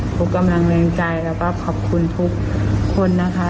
ทุกกำลังใจแล้วก็ขอบคุณทุกคนนะคะ